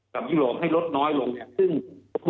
กับยุโรมให้ลดน้อยลงเนี่ยซึ่ง